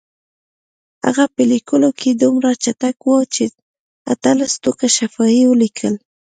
هغه په لیکلو کې دومره چټک و چې اتلس ټوکه شفا یې ولیکل.